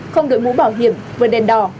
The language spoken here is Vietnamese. không đội mũ bảo hiểm vườn đèn đỏ